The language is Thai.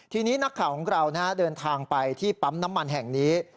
ทีนี้นักข่าวของเราเดินทางไปที่ปั๊มน้ำมันแห่งนี้